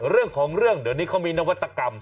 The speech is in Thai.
เรื่องของเรื่องเดี๋ยวนี้เขามีนวัตกรรม